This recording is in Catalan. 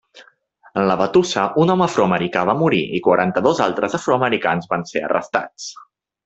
En la batussa un home afroamericà va morir i quaranta-dos altres afroamericans van ser arrestats.